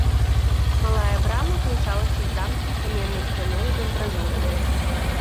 Малая брама злучалася з замкам каменнай сцяной з амбразурамі.